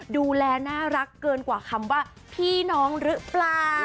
ดูแลน่ารักเกินกว่าคำว่าพี่น้องหรือเปล่า